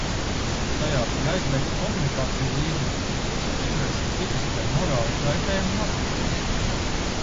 Tajā bija aizliegti komunikāciju līdzekļi, kas var izraisīt fizisku vai morālu kaitējumu mazgadīgajiem.